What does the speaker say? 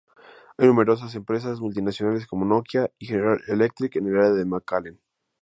Hay numerosas empresas multinacionales como Nokia y General Electric en el área de McAllen.